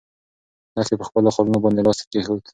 لښتې په خپلو خالونو باندې لاس کېښود.